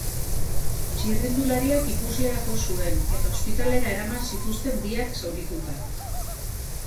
Txirrindulariak ikuslea jo zuen, eta ospitalera eraman zituzten biak, zaurituta.